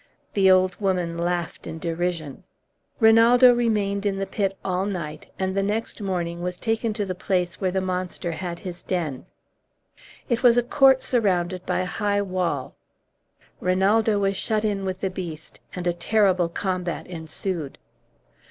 The old woman laughed in derision. Rinaldo remained in the pit all night, and the next morning was taken to the place where the monster had his den. It was a court surrounded by a high wall. Rinaldo was shut in with the beast, and a terrible combat ensued.